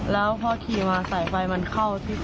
แล้วพอขี่มาสายไฟมันเข้าที่